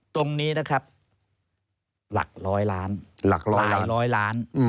ตรงนี้นะครับหลักร้อยล้านหลักร้อยหลายร้อยล้าน